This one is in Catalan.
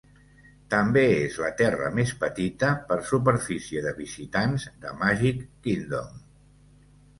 També és la terra més petita, per superfície de visitants, de Magic Kingdom.